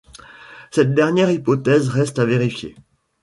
Cette dernière hypothèse reste à vérifier.